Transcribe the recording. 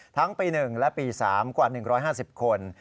ทั้งปี๑และปี๓กว่า๑๕๐คน